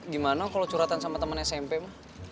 gimana kalau curhatan sama teman smp mah